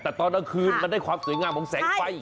แต่ตอนกลางคืนมันได้ความสวยงามของแสงไฟ